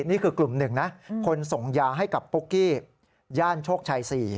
นี่คือกลุ่มหนึ่งนะคนส่งยาให้กับปุ๊กกี้ย่านโชคชัย๔